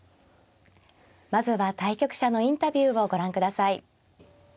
まずは対局者のインタビューをご覧ください。